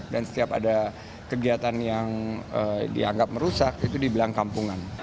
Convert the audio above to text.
dan setiap ada kegiatan yang dianggap merusak itu dibilang kampungan